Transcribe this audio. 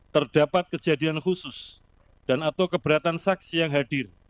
terdapat kejadian khusus dan atau keberatan saksi yang hadir